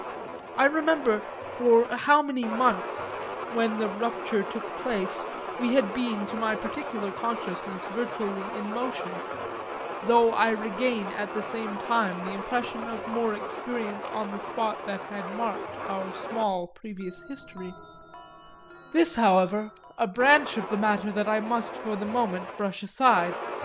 I remember for how many months, when the rupture took place, we had been to my particular consciousness virtually in motion; though I regain at the same time the impression of more experience on the spot than had marked our small previous history: this, however, a branch of the matter that I must for the moment brush aside.